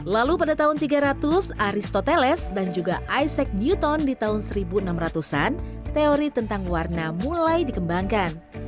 lalu pada tahun tiga ratus aristoteles dan juga isec newton di tahun seribu enam ratus an teori tentang warna mulai dikembangkan